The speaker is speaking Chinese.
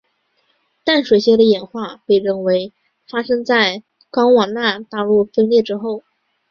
淡水蟹的演化被认为发生在冈瓦纳大陆分裂之后。